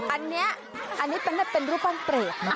อันนี้อันนี้เป็นรูปปั้นเปรตนะ